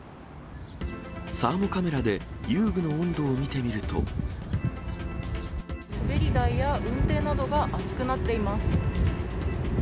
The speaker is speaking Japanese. サーモカメラで遊具の温度を滑り台やうんていなどが熱くなっています。